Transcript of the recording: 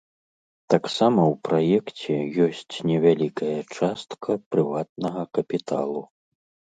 Таксама ў праекце ёсць невялікая частка прыватнага капіталу.